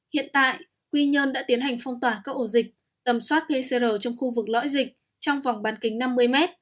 hiện tại quy nhơn đã tiến hành phong tỏa các ổ dịch tầm soát pcr trong khu vực lõi dịch trong vòng bán kính năm mươi m